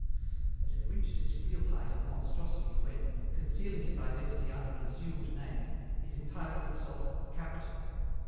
But it reached its real height of monstrosity when, concealing its identity under an assumed name, it entitled itself capital.